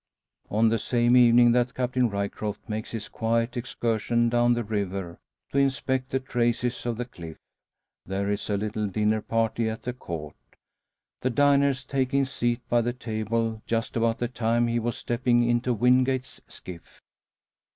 On the same evening that Captain Ryecroft makes his quiet excursion down the river to inspect the traces on the cliff, there is a little dinner party at the Court; the diners taking seat by the table just about the time he was stepping into Wingate's skiff.